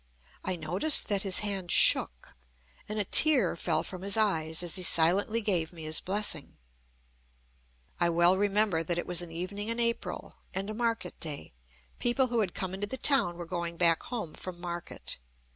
I noticed that his hand shook, and a tear fell from his eyes, as he silently gave me his blessing. I well remember that it was an evening in April, and a market day. People who had come into the town were going back home from market.